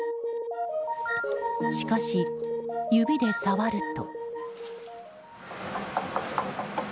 しかし、指で触ると。